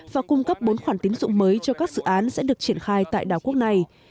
và cung cấp bốn khoản tín dụng mới cho các dự án sẽ được triển khai tại đảo quốc này